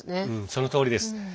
そのとおりです。